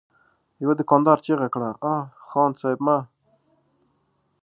يوه دوکاندار چيغه کړه: اه! خان صيب! مه!